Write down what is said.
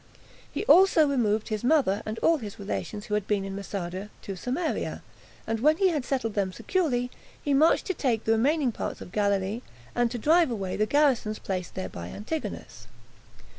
He also removed his mother, and all his relations, who had been in Masada, to Samaria; and when he had settled them securely, he marched to take the remaining parts of Galilee, and to drive away the garrisons placed there by Antigonus.